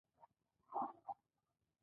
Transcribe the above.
د ناصر خسرو زيارت په بدخشان کی دی